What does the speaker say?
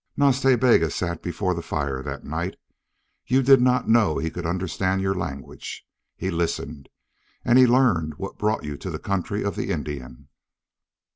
Nas Ta Bega sat before the fire that night. You did not know he could understand your language. He listened. And he learned what brought you to the country of the Indian.